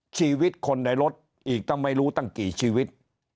ชีวิตคนในรถอีกตั้งไม่รู้ตั้งกี่ชีวิต